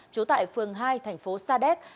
chú tại phường hai thành phố sa đéc